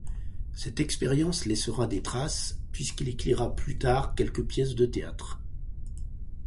Cette expérience laissera des traces, puisqu'il écrira plus tard quelques pièces de théâtre.